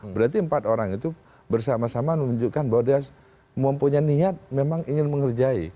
berarti empat orang itu bersama sama menunjukkan bahwa dia mempunyai niat memang ingin mengerjai